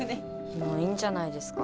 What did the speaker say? もういいんじゃないですか？